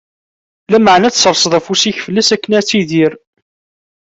Lameɛna ad tserseḍ afus-ik fell-as akken ad tidir.